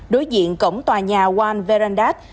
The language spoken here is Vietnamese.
đối diện cổng tòa nhà juan verandas